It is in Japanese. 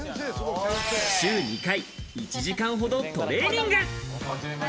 週２回、１時間ほどトレーニング。